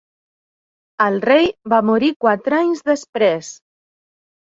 El rei va morir quatre anys després.